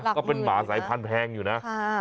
ก็เป็นหมาสายพันธุแพงอยู่นะ